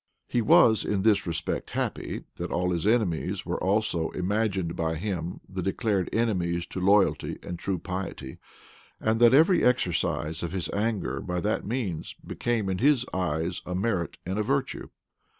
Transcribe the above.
He was in this respect happy, that all his enemies were also imagined by him the declared enemies to loyalty and true piety, and that every exercise of his anger by that means became in his eyes a merit and a virtue.